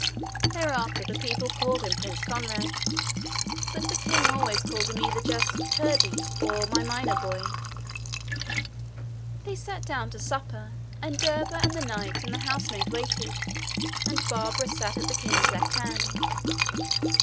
Thereafter the people called him Prince Conrad; but the king always called him either just Curdie, or my miner boy. They sat down to supper, and Derba and the knight and the housemaid waited, and Barbara sat at the king's left hand.